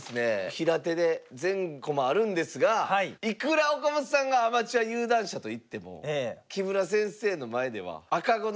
平手で全駒あるんですがいくら岡本さんがアマチュア有段者といっても木村先生の前では赤子のようにひねられます。